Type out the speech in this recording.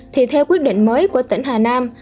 thì theo quyết định mới của tỉnh hà nam